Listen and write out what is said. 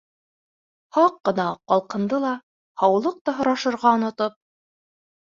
Һаҡ ҡына ҡалҡынды ла, һаулыҡта һорашырға онотоп: